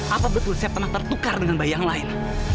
apa betul saya pernah tertukar dengan bayi yang lain